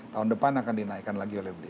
tahun depan akan dinaikkan lagi oleh beli